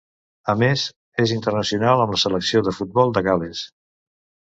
A més, és internacional amb la selecció de futbol de Gal·les.